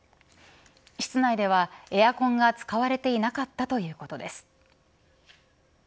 室内ではエアコンが使われていなかったということです。